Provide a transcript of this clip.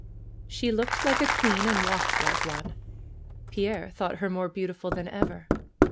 She looked like a queen and walked like one. Pierre thought her more beautiful than ever.